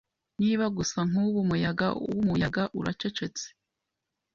Niba gusa nkubu umuyaga wumuyaga uracecetse